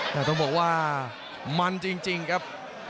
แต่ต้องบอกว่ามันจริงครับ